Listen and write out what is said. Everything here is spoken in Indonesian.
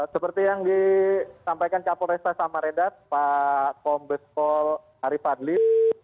seperti yang disampaikan kapolresa sama redat pak kombespol arief adli